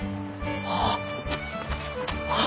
あっ！